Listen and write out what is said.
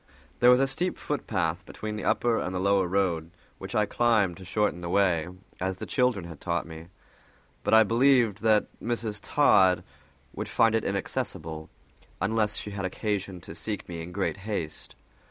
There was a steep footpath between the upper and the lower road, which I climbed to shorten the way, as the children had taught me, but I believed that Mrs. Todd would find it inaccessible, unless she had occasion to seek me in great haste.